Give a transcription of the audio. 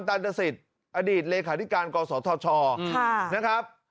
ถากรตรรศิษฐ์อดีตเลขาธิการกศธชนะครับ